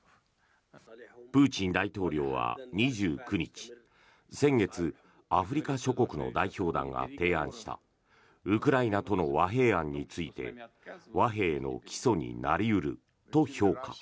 プーチン大統領は２９日先月、アフリカ諸国の代表団が提案したウクライナとの和平案について和平の基礎になり得ると評価。